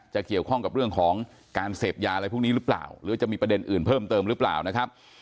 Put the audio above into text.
เกี่ยวข้องกับเรื่องของการเสพยาอะไรพวกนี้หรือเปล่าหรือจะมีประเด็นอื่นเพิ่มเติมหรือเปล่านะครับ